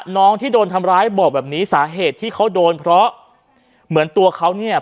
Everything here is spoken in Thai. น้องที่โดนทำร้ายบอกแบบนี้สาเหตุที่เขาโดนเพราะเหมือนตัวเขาเนี่ย